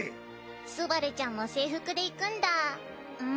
昴ちゃんも制服で行くんだ。